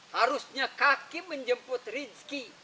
harusnya kaki menjemput rizki